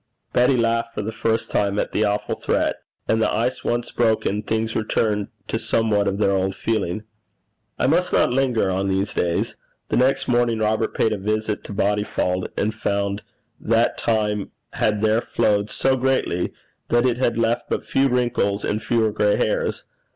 Betty laughed for the first time at the awful threat, and the ice once broken, things returned to somewhat of their old footing. I must not linger on these days. The next morning Robert paid a visit to Bodyfauld, and found that time had there flowed so gently that it had left but few wrinkles and fewer gray hairs.